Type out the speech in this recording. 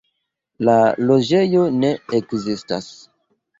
La loĝejo ne ekzistas.